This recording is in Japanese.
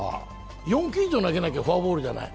４球以上投げないとフォアボールじゃない。